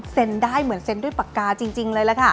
ได้เหมือนเซ็นด้วยปากกาจริงเลยล่ะค่ะ